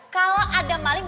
kalau ada maling